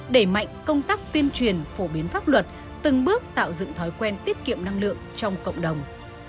đẩy mạnh công tác tuyên truyền phổ biến pháp luật từng bước tạo dựng thói quen tiết kiệm năng lượng trong cộng đồng